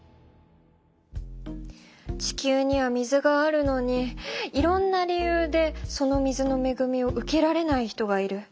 地球には水があるのにいろんな理由でその水のめぐみを受けられない人がいる。